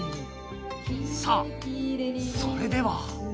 さあそれでは